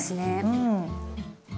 うん。